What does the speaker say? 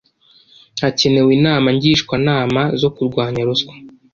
Hakenewe Inama Ngishwanama zo kurwanya Ruswa